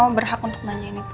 memang berhak untuk nanyain itu